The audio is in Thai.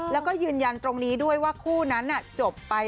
แล้วก็ยืนยันตรงนี้ด้วยว่าคู่นั้นจบไป